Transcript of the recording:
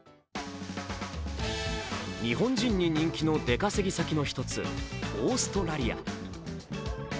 日本人に人気の出稼ぎ先の１つ、オーストラリア。